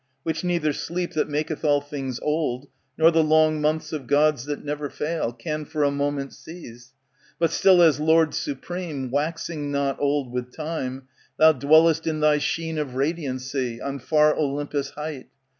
Which neither sleep, that maketh all things old, Nor the long months of Gods that never fail, Can for a moment seize. But still as Lord supreme, Waxing not old with time, Thou dwellest in Thy sheen of radiancy On far Olympos' height.